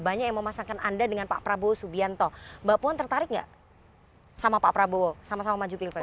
banyak yang memasangkan anda dengan pak prabowo subianto mbak puan tertarik nggak sama pak prabowo sama sama maju pilpres